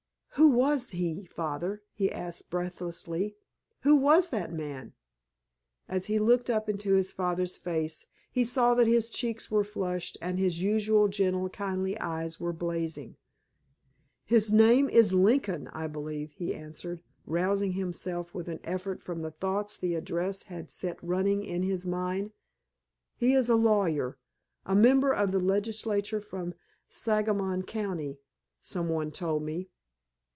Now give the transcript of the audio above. "Who was he, Father?" he asked breathlessly. "Who was that man?" As he looked up into his father's face he saw that his cheeks were flushed and his usually gentle, kindly eyes were blazing. "His name is Lincoln, I believe," he answered, rousing himself with an effort from the thoughts the address had set running in his mind. "He is a lawyer, a member of the legislature from Sangamon County, some one told me."